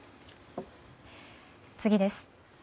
次です。